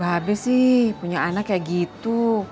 habis sih punya anak kayak gitu